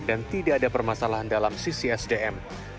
dan tidak ada permasalahan dalam sisi sdm